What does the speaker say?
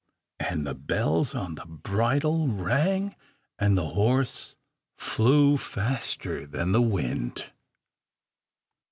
And the bells on the bridle rang, and the horse flew faster than the wind.